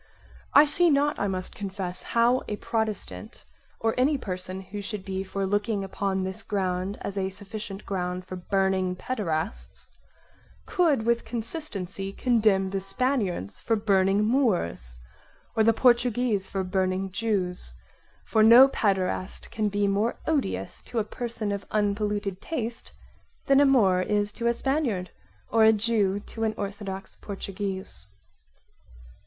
I see not, I must confess, how a Protestant, or any person who should be for looking upon this ground as a sufficient ground for / burning paederasts, could with consistency condemn the Spaniards for burning Moors or the Portuguese for burning Jews: for no paederast can be more odious to a person of unpolluted taste than a Moor is to a Spaniard or a Jew to an orthodox Portuguese.